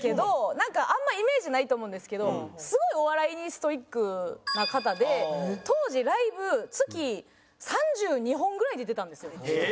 なんかあんまイメージないと思うんですけどすごいお笑いにストイックな方で当時ライブ月３２本ぐらい出てたんですよ。